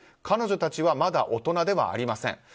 彼女たちはまだ大人ではありません。